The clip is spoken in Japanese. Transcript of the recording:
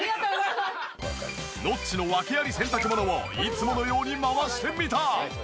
ノッチの訳あり洗濯物をいつものように回してみた。